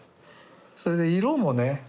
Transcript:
それで色もね